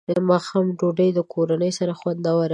ماښام ډوډۍ د کورنۍ سره خوندوره ده.